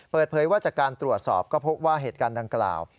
เปิดเผยว่าจากการตรวจสอบก็พบว่าเหตุการณ์ดังกล่าว